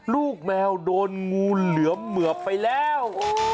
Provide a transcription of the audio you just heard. ลูกแมวโดนงูเหลือมเหมือบไปแล้ว